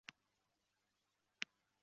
Maqolaga qo‘yilgan talablar